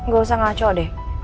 gak usah ngaco deh